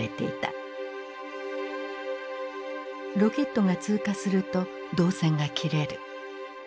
ロケットが通過すると導線が切れる。